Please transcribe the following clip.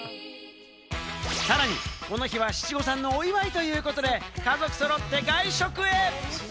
さらに、この日は七五三のお祝いということで、家族そろって外食へ。